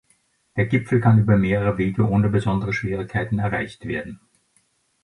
Der Gipfel kann über mehrere Wege ohne besondere Schwierigkeiten erreicht werden.